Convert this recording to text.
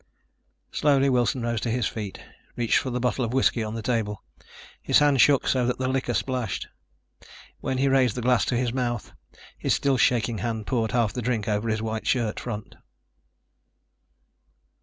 Slowly Wilson rose to his feet, reached for the bottle of whiskey on the table. His hand shook so that the liquor splashed. When he raised the glass to his mouth, his still shaking hand poured half the drink over his white shirt front.